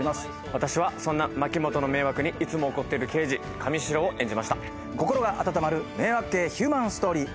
私はそんな牧本の迷惑にいつも怒っている刑事神代を演じました心が温まる迷惑系ヒューマンストーリー